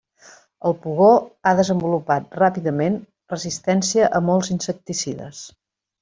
El pugó ha desenvolupat ràpidament resistència a molts insecticides.